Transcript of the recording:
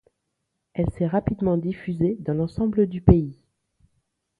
Elle s'est rapidement diffusée dans l'ensemble du pays.